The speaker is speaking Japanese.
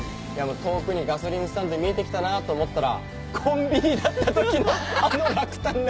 遠くにガソリンスタンド見えて来たなと思ったらコンビニだった時のあの落胆な。